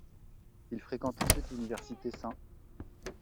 Il fréquente ensuite l'Université St.